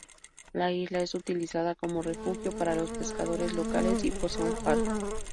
La Isla es utilizada como refugio para los pescadores locales y posee un faro.